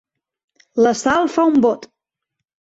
La Sal fa un bot.